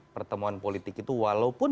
pertemuan politik itu walaupun